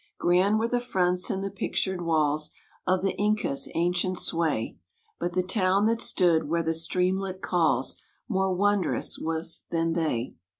Grand were the fronts and the pictured walls Of the Inca's ancient sway, But the town that stood where the streamlet calls, More wondrous was than they.